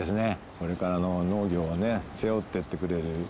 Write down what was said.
これからの農業をね背負っていってくれる人材に。